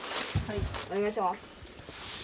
お願いします。